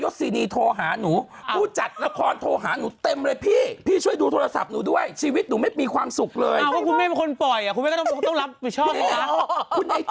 คุณมี่จะไปว่านายแบบ